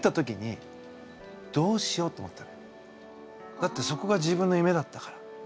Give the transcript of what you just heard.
だってそこが自分の夢だったから。